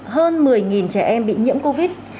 hơn một mươi trẻ em bị nhiễm covid